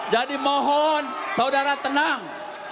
jadi mohon saudara tenang